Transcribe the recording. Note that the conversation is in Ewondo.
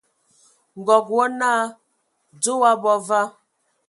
Nkɔg wɔ naa "Dze o abɔ va ?".